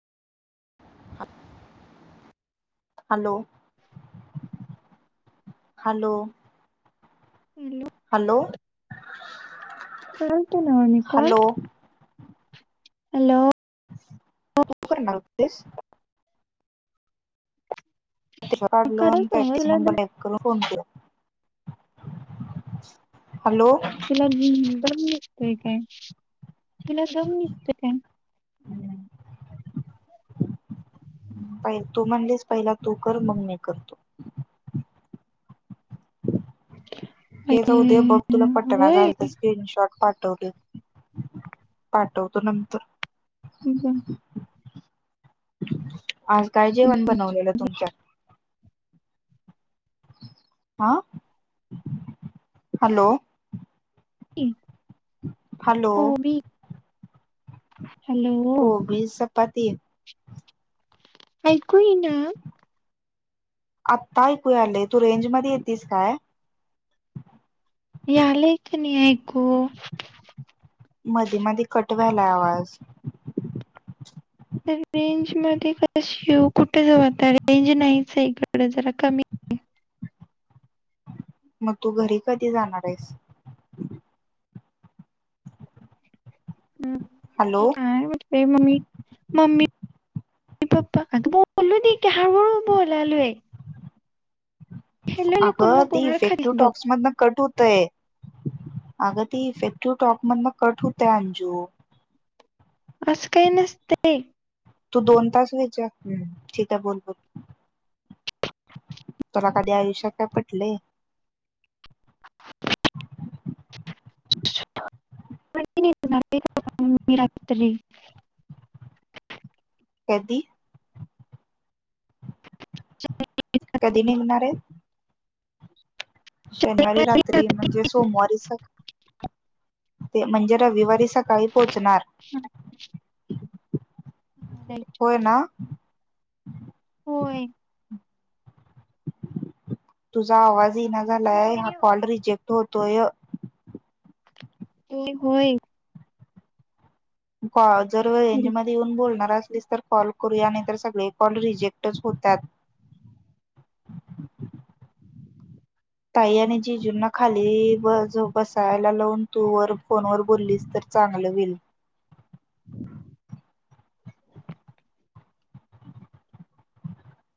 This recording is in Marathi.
हा [unintelligible] हलो. हालो? हम्म. हलो. [unintelligible] करतला काम हॅलो. पर नास [unintelligible] काढलो आणिंत करालतो ना तिचा तुला दम नंबर करून फोन केला [unintelligible] तलाग तर म [unintelligible] निघतोय काय तुला जाऊ निघतय काय? पहि तू, म्हणलेस पहिला तू, कर मग मी करतो. [unintelligible] ते जाऊदे अरे, बघ तुला पटना होय झालत स्कीन शॉर्ट पाठ [unintelligible] पाठवतो नंतर हम्म हम्म. आज काय जेवण बनवलेलं तुमच्यात. ह हॅलो. हम [unintelligible] हॅलो हॅलो कोबी स पाते [unintelligible] ऐकू ये ना, आता ऐकू आलेय तू रेंज मध्ये येेतस काय? ये यालंय क नाही ऐकू मधी, मधी, कटवायला आवाज तर रेंज मध्ये क कुठे जवात [unintelligible] रेंज नाहीच इकड जरा कमी हम [inaudible] मग तू घरी कधी जाणार आहेस. हम्म. हॅलो काय म्ह मम्मी मम्मी, बापपा आ म लो [unintelligible] द क हार वर म ओलाल आहे अगं नको ती मार खालीस इफेक्टू बघ टॉक्स मधन कट होतय. आग ते इफेक्टिव्ह टॉक मदन कट ह त्यान अंजु अस काय नसते. तू दोन तास [unintelligible] व्हाय जा ठीक आहे बोल, बोल, तुला कधी आयुष्या काय पटलय? [inaudible] [unintelligible] कधी? कधी निघणार आहे? शनिवारी रात्री म्हणजे, सोमवारी म्हणजे रविवारी सका, काळी पोचणार होय ना? होय तुझा आवाजहीना झालाय हा कॉल रिजेक्ट, होतोय, होय होय, कॉल जर रेंज मध्ये येऊन बोलणारच. तर कॉल करूया नाही, तरर सगळे कॉल रिजेक्टच होतात. [unintelligible] ताई आणि जिजूंना खाली बसायला, लावून तू व फोनवर बोललीस तरी, चगल विल,